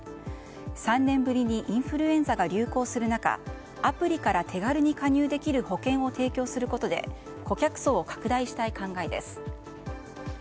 ３年ぶりにインフルエンザが流行する中アプリから手軽に加入できる保険を提供することで顧客層を拡大したい考えです。